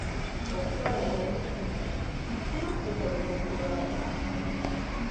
Okusalawo okumu kukolebwa ku lw'abalala.